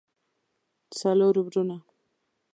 څلور وروڼه